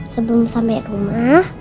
sebelum sampe rumah